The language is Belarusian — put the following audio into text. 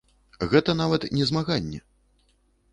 Гэта нават не змаганне.